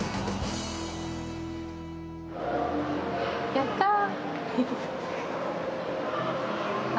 やったあ。